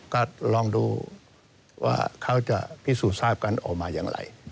ก็ลองดูว่าเขาจะพิสูจน์ทราบกันออกมาอย่างไร